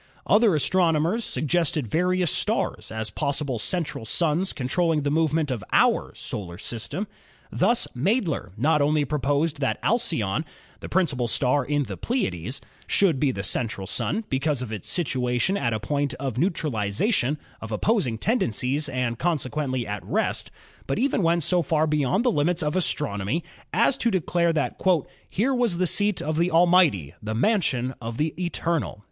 Other astronomers suggested various stars as possible central suns controlling the movement of our Solar System. Thus Madler not only proposed that Al cyone, the principal star in the Pleiades, should be the central sun, because of its situation at a point of neutrali zation of opposing tendencies and consequently at rest, but even went so far beyond the limits of astronomy as to declare that "Here was the seat of the Almighty, the Mansion of the Eternal."